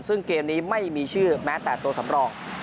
ซึ่งเกมนี้ไม่มีชื่อแม้แต่ตัวสำรอง